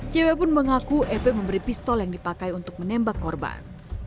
cewek pun mengaku ep memberi pistol yang dipakai untuk menembak korban